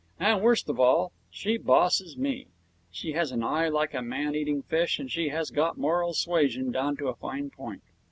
And, worst of all, she bosses me. She has an eye like a man eating fish, and she has got moral suasion down to a fine point.